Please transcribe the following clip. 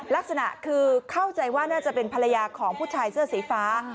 ลักษณะคือเข้าใจว่าน่าจะเป็นภรรยาของผู้ชายเสื้อสีฟ้า